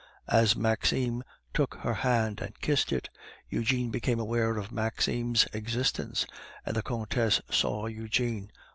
As Maxime took her hand and kissed it, Eugene became aware of Maxime's existence, and the Countess saw Eugene.